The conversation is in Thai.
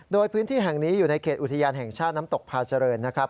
โดยพื้นที่แห่งนี้อยู่ในเขตอุทยานแห่งชาติน้ำตกพาเจริญนะครับ